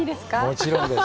もちろんです。